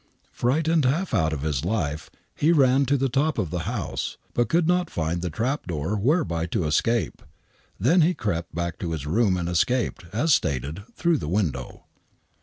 Frightened half out of his life, he ran to the top of the house, but could not find the trapdoor whereby to escape. Then he crept back to his room and escaped, as stated, through the window.